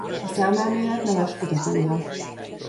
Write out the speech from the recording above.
A számelmélet neves kutatója.